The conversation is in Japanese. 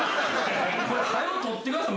これ早う取ってください。